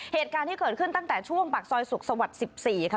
เหตุการณ์ที่เกิดขึ้นตั้งแต่ช่วงปากซอยสุขสวรรค์๑๔ค่ะ